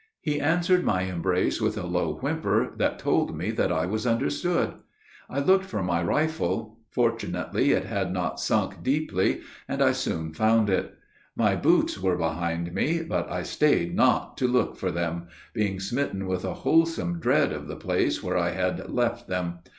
He answered my embrace with a low whimper, that told me that I was understood. I looked for my rifle. Fortunately, it had not sunk deeply, and I soon found it. My boots were behind me, but I staid not to look for them, being smitten with a wholesome dread of the place where I had left them.